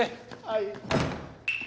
はい。